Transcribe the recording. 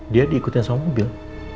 dia diikutin sama mobil